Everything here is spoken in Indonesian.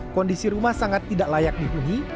kondisi rumah sangat tidak layak dihuni